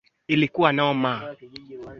za ulaya na marekani na kwingineko